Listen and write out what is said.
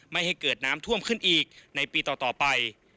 ไม่ให้เกิดน้ำท่วมขึ้นอีกในปีต่อไป